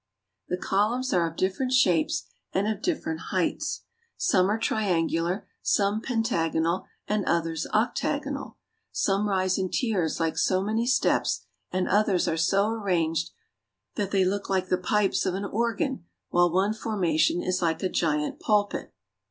The columns are of different shapes and of different heights. Some are triangular, some pentagonal, and others octagonal. Some rise in tiers like so many steps, and others are so arranged that they look like the pipes of an organ, while one formation is like a great pulpit.